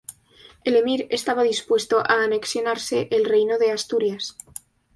El emir estaba dispuesto a anexionarse el Reino de Asturias.